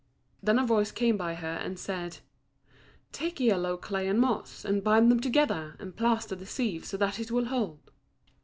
Then a voice came by her and said, "Take yellow clay and moss, and bind them together, and plaster the sieve so that it will hold."